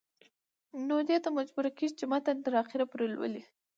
نو دې ته مجبوره کيږي چې متن تر اخره پورې لولي